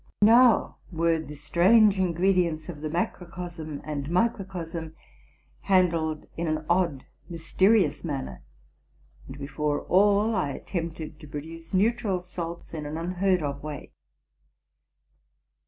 Now were the strange ingredients of the macrocosm and micro cosm handled in an odd, mysterious manner; and, before all, I attempted to produce neutral salts in an unheard of way.